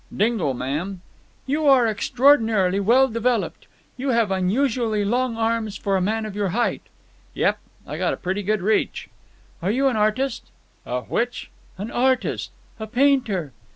"Dingle, ma'am." "You are extraordinarily well developed. You have unusually long arms for a man of your height." "Yep. I got a pretty good reach." "Are you an artist?" "A which?" "An artist. A painter."